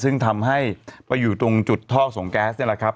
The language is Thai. ซึ่งทำให้ไปอยู่ตรงจุดท่อส่งแก๊สนี่แหละครับ